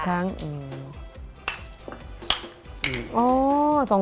๓ครั้งอืม